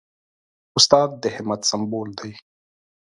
استاد د همت سمبول دی.